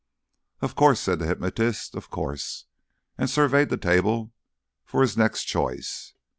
"Of course," said the hypnotist, "of course"; and surveyed the table for his next choice.